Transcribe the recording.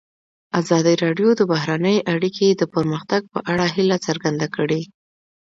ازادي راډیو د بهرنۍ اړیکې د پرمختګ په اړه هیله څرګنده کړې.